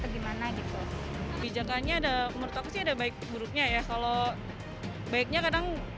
di mana gitu bijakannya ada menurut saya ada baik buruknya ya kalau baiknya kadang